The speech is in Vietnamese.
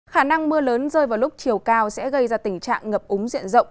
khả năng mưa lớn rơi vào lúc chiều cao sẽ gây ra tình trạng ngập úng diện rộng